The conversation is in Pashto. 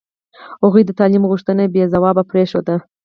هغوی د تعلیم غوښتنه بې ځوابه پرېښوده.